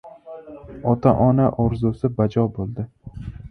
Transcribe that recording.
Ota-ona orzusi bajo bo‘ldi.